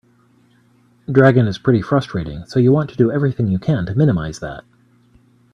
Dragon is pretty frustrating, so you want to do everything you can to minimize that.